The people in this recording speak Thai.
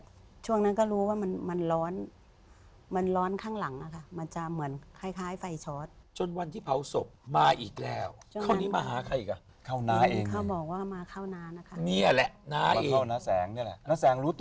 ก็ช่วงนั้นก็รู้ว่ามันร้อนมันร้อนข้างหลังอะค่ะมันจะเหมือนคล้ายไฟชอต